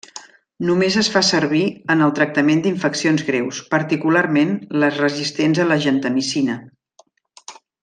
Només es fa servir en el tractament d'infeccions greus particularment les resistents a la gentamicina.